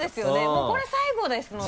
もうこれ最後ですので。